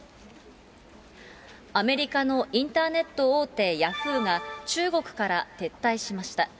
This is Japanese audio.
アメリカのインターネット大手、ヤフーが中国から撤退しました。